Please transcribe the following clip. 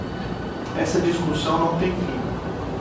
Essa discussão não tem fim